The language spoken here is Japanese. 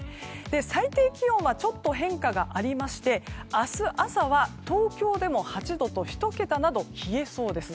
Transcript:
最低気温はちょっと変化がありまして明日朝は東京でも８度と１桁など冷えそうです。